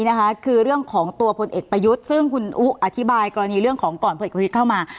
นั้นคือเรื่องของตัวผลเอกประยุทธ์ซึ่งคุณอู๋อธิบายเกราะนี้เรื่องของก่อนประสบควิทธ์เข้ามา